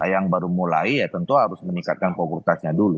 yang baru mulai ya tentu harus meningkatkan popuritasnya dulu